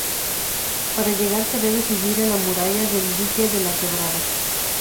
Para llegar se debe subir a la muralla del Dique La Quebrada.